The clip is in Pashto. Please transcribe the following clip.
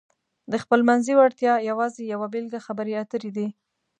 د خپلمنځي وړتیاو یوازې یوه بېلګه خبرې اترې دي.